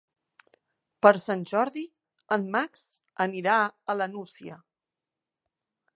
Per Sant Jordi en Max anirà a la Nucia.